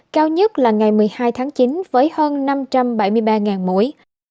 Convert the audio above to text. cao nhất là ngày một mươi hai tháng chín với hơn năm trăm bảy mươi ba mũi